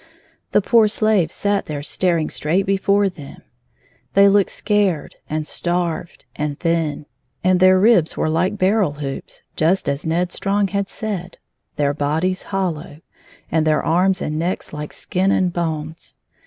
The poor slaves sat there staring straight before them. They looked scared and starved and thin, and flieir ribs were like barrel hoops, just as Ned Strong had said, their bodies hollow, and their arms and necks like skin and bones.